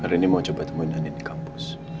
hari ini mau coba temuin anin kamu